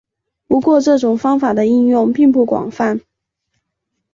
不过这种方法的应用并不广泛。